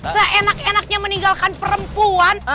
seenak enaknya meninggalkan perempuan